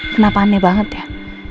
kenapa aneh banget ya